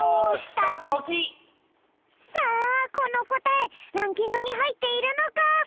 さあこのこたえランキングにはいっているのか？